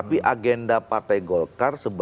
ini bukan agendanya partai golkar dalam tendensi tertentu